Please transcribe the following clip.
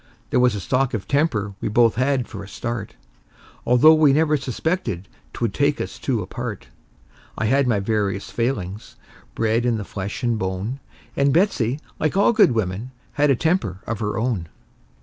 There was a stock of temper we both had for a start, Although we never suspected 'twould take us two apart; I had my various failings, bred in the flesh and bone; And Betsey, like all good women, had a temper of her own.